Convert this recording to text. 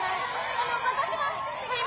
あの私も握手して下さい！